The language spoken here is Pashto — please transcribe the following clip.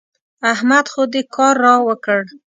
احمد خو دې کار را وکړ.